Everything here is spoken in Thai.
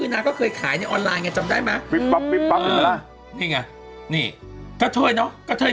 นางเคยคลายฟาร์ชออนไลน์จำได้มั้ย